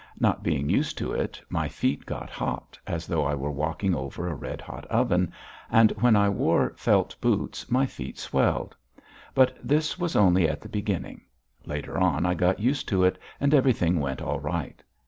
Not being used to it, my feet got hot, as though I were walking over a red hot oven, and when I wore felt boots my feet swelled. But this was only at the beginning. Later on I got used to it and everything went all right.